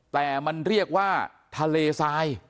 แต่มันเรียกว่าทะเลทราย